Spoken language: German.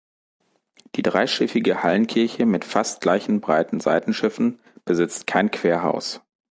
Die dreischiffige Hallenkirche mit fast gleich breiten Seitenschiffen besitzt kein Querhaus.